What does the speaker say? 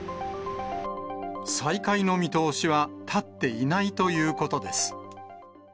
再開の見通しは立っていないということです。